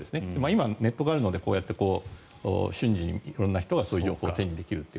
今はネットがあるのでこうやって瞬時に色んな人がそういう情報を手にできると。